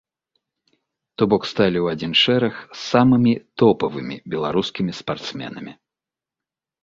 То бок сталі ў адзін шэраг з самымі топавымі беларускімі спартсменамі.